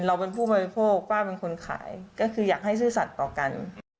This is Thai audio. เราเป็นผู้บริโภคป้าเป็นคนขายก็คืออยากให้ซื่อสัตว์ต่อกัน